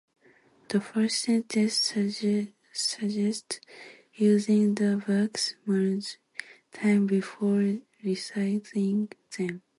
The first sentence suggests using the bags multiple times before recycling them.